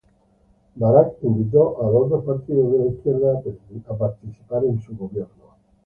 Barak invitó a los otros partidos de la izquierda a participar en su gobierno.